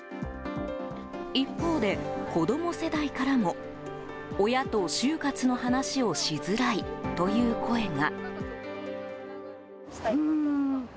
一方で、子供世代からも親と終活の話をしづらいという声が。